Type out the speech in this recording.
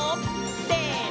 せの！